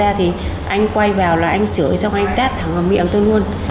anh ấy quay vào là anh ấy chửi xong anh ấy tát thẳng vào miệng tôi luôn